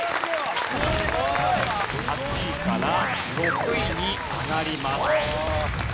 ８位から６位に上がります。